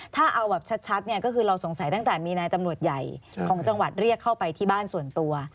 ถ้าเอาแบบชัดเนี่ยก็คือเราสงสัยตั้งแต่มีนายตำรวจใหญ่ของจังหวัดเรียกเข้าไปที่บ้านส่วนตัว